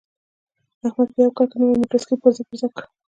احمد په یوه کال کې نوی موټرسایکل پرزه پرزه کړ.